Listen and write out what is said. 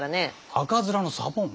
赤面のサボン？